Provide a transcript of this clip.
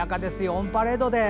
オンパレードで。